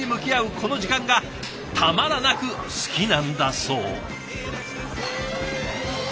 この時間がたまらなく好きなんだそう。